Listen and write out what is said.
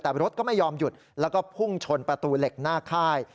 แต่รถก็ไม่ยอมหยุดแล้วก็พุ่งชนประตูเหล็กหน้าค่าย